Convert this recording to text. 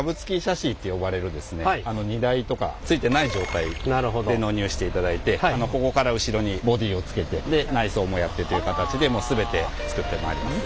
荷台とかついてない状態で納入していただいてここから後ろにボディーをつけてで内装もやってという形で全て作ってまいります。